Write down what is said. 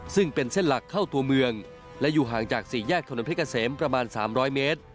ซึ่งเป็นเส้นหลักเข้าตัวเมืองและอยู่ห่างจากสี่แยกถนนเพชรเกษมประมาณ๓๐๐เมตร